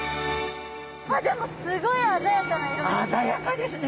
あっでもすごい鮮やかな色ですね！